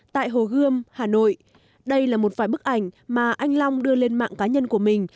tại hồ gươm hà nội đây là một vài bức ảnh mà anh long đưa lên mạng cá nhân của mình